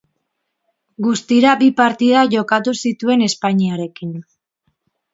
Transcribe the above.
Guztira bi partida jokatu zituen Espainiarekin.